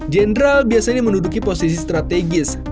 jenderal biasanya menduduki posisi strategis